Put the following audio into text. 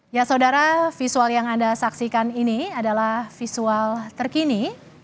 ya saudara visual yang anda saksikan ini adalah visual terkini